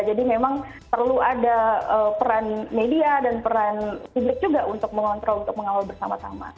jadi memang perlu ada peran media dan peran publik juga untuk mengawal bersama sama